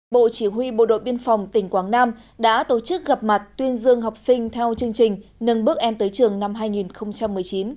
bộ chỉ huy bộ đội biên phòng tỉnh quảng nam đã tổ chức gặp mặt tuyên dương học sinh theo chương trình nâng bước em tới trường năm hai nghìn một mươi chín